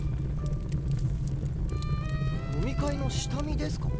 飲み会の下見ですか？